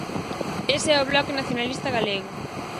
Ese é o Bloque Nacionalista Galego.